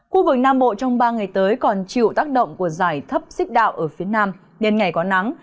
khu vực nam bộ trong ba ngày tới còn chịu tác động của dài thấp xích đạo ở phía nam nên ngày có nắng